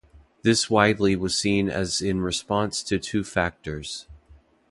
This widely was seen as in response to two factors.